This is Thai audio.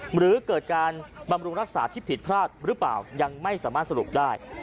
หรือเกิดการบำรุงรักษาที่ผิดพลาดหรือเปล่ายังไม่สามารถสรุปได้